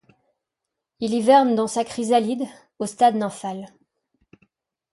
Il hiverne dans sa chrysalide, au stade nymphal.